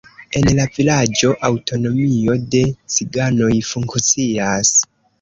En la vilaĝo aŭtonomio de ciganoj funkcias.